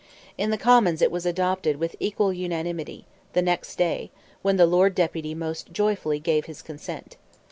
In the Commons it was adopted with equal unanimity the next day, when the Lord Deputy most joyfully gave his consent.